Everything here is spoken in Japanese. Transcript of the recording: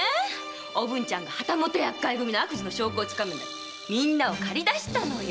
おぶんちゃんが旗本厄介組の悪事の証拠を掴むんだってみんなを駆り出したのよ。